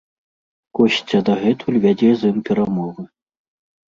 Косця дагэтуль вядзе з ім перамовы.